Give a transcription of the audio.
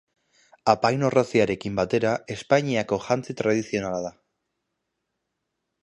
Apain-orraziarekin batera, Espainiako jantzi tradizionala da.